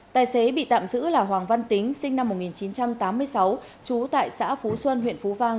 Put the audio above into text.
tài xế bị tạm giữ là hoàng văn tính sinh năm một nghìn chín trăm tám mươi sáu trú tại xã phú xuân huyện phú vang